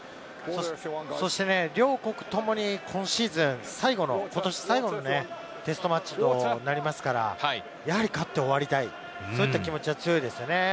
両国ともに今シーズン最後の今年最後のテストマッチとなりますから、やはり勝って終わりたい、そういった気持ちは強いですよね。